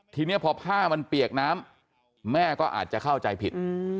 ทีนี้พอผ้ามันเปียกน้ำแม่ก็อาจจะเข้าใจผิด